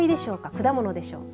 果物でしょうか。